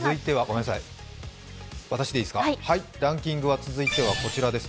ランキングは続いてはこちらです。